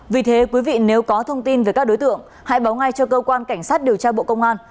vì thế quý vị nếu có thông tin về các đối tượng hãy báo ngay cho cơ quan cảnh sát điều tra bộ công an